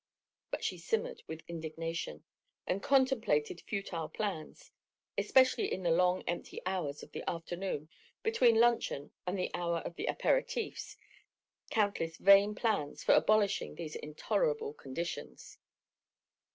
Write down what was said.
But she simmered with indignation, and contemplated futile plans—especially in the long, empty hours of the afternoon, between luncheon and the hour of the apertifs—countless vain plans for abolishing these intolerable conditions.